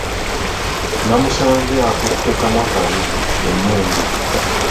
Namusanze akutte kamwakabi ye mmundu.